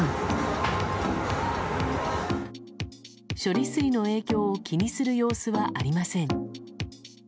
処理水の影響を気にする様子はありません。